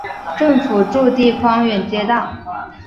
政府驻地匡远街道。